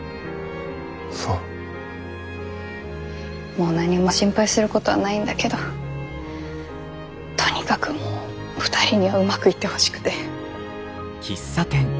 もう何も心配することはないんだけどとにかくもう２人にはうまくいってほしくて。